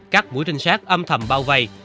các mũi trinh sát âm thầm bao vây